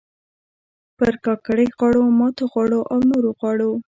پر کاکړۍ غاړو، ماتو غاړو او نورو غاړو